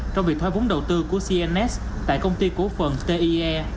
trong việc thoái vốn đầu tư của cns tại công ty cổ phần tie